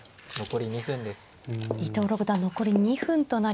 伊藤六段残り２分となりました。